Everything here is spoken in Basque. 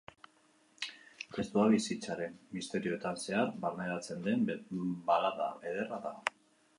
Testua bizitzaren misterioetan zehar barneratzen den balada ederra da.